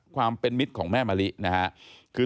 ความเป็นมิตรของแม่มะลินะครับ